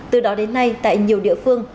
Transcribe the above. từ đó đến nay tại nhiều địa phương